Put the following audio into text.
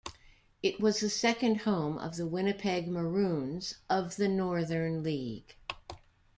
It was the second home of the Winnipeg Maroons of the Northern League.